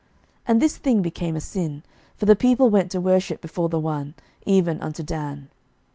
11:012:030 And this thing became a sin: for the people went to worship before the one, even unto Dan.